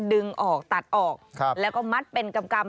ดึงออกตัดออกแล้วก็มัดเป็นกำ